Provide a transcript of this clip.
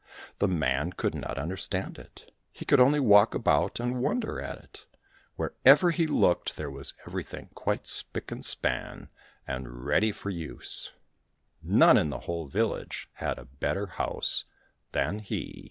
The man could not understand it ; he could only walk about and wonder at it. Wherever he looked there was everything quite spick and span and ready for use : none in the whole village had a better house than he.